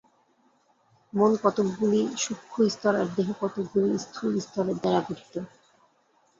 মন কতকগুলি সূক্ষ্ম স্তর আর দেহ কতকগুলি স্থূল স্তরের দ্বারা গঠিত।